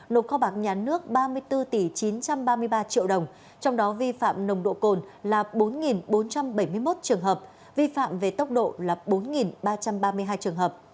nộp kho bạc nhà nước ba mươi bốn chín trăm ba mươi ba triệu đồng trong đó vi phạm nồng độ cồn là bốn bốn trăm bảy mươi một trường hợp vi phạm về tốc độ là bốn ba trăm ba mươi hai trường hợp